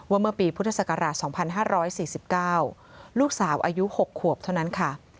เมื่อปีพุทธศักราช๒๕๔๙ลูกสาวอายุ๖ขวบเท่านั้นค่ะ